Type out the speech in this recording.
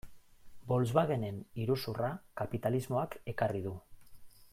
Volkswagenen iruzurra kapitalismoak ekarri du.